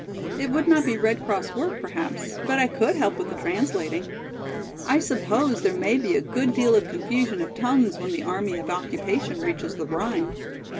It would not be Red Cross work perhaps, but I could help with the translating, I suppose there may be a good deal of confusion of tongues when the army of occupation reaches the Rhine."